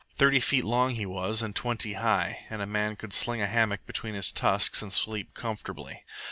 Thirty feet long he was, and twenty high, and a man could sling a hammock between his tusks and sleep comfortably.